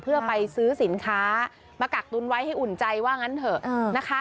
เพื่อไปซื้อสินค้ามากักตุนไว้ให้อุ่นใจว่างั้นเถอะนะคะ